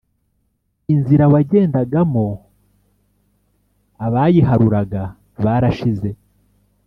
Inzira wagendagamo Abayiharuraga barashize